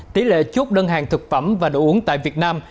tỷ lệ chốt đơn hàng thực phẩm và đồ uống tại việt nam